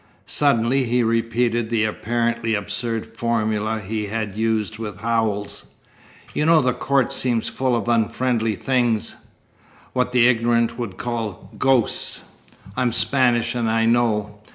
Suddenly he repeated the apparently absurd formula he had used with Howells. "You know the court seems full of unfriendly things what the ignorant would call ghosts. I'm Spanish and I know."